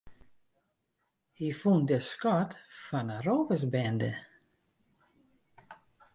Hy fûn de skat fan in rôversbinde.